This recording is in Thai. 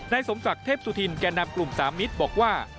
สมศักดิ์เทพสุธินแก่นำกลุ่มสามมิตรบอกว่า